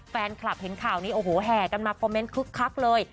แฟนคลับเห็นข่าวนี้โอ้โหแห่กันมาคอมเมนต์คึกคักเลย